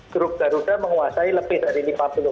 grup garuda menguasai lebih dari lima orang